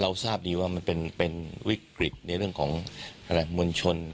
ทราบดีว่ามันเป็นวิกฤตในเรื่องของมวลชน